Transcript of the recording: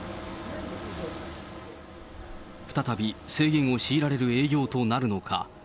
再び制限を強いられる営業となるのか。